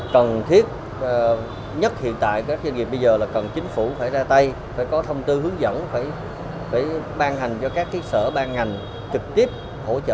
cần thiết nhất hiện tại các doanh nghiệp bây giờ là cần chính phủ phải ra tay phải có thông tư hướng dẫn phải ban hành cho các sở ban ngành trực tiếp hỗ trợ